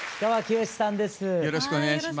よろしくお願いします。